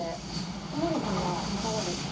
津守さんはいかがですか。